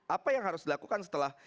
apa yang harus dilakukan setelah